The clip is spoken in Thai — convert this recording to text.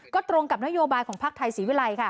ก็ตรงกับนโยบายของภาคไทยศรีวิรัยค่ะ